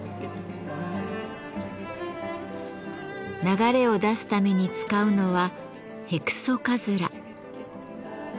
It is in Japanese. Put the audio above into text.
流れを出すために使うのはヘクソカズラ。